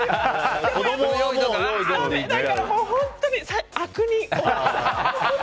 だから、本当に悪人。